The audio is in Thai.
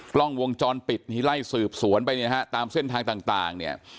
กล้องวงจรปิดที่ไล่สืบสวนไปเนี่ยนะฮะตามเส้นทางต่างเนี่ย